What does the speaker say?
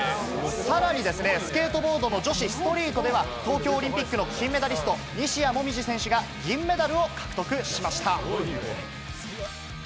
さらにスケートボードの女子ストリートでは、東京オリンピックの金メダリスト・西矢椛選手が銀メダルを獲得しました。